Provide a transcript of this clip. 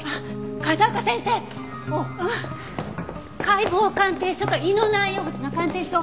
解剖鑑定書と胃の内容物の鑑定書！